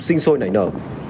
sinh sôi nảy nở